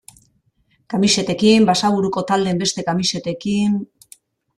Kamisetekin, Basaburuko taldeen beste kamisetekin...